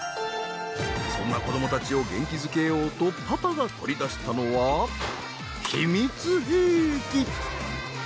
そんな子どもたちを元気づけようとパパが取り出したのは秘密兵器！